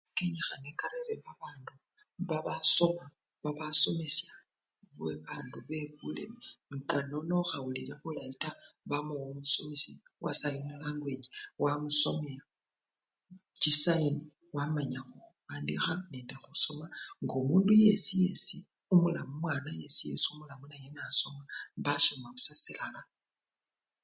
Kenyikhana karere babandu babasoma babasomesha babandu bebuleme nga nono okhawulile bulayi taa, bamuwa omusomesi wa sayini langwechi wamusomya chisayini wamanya khuwandika nende khusoma ngo omundu yesi yesi omulamu omwana omulamu yesi nga asoma, basoma busa silala.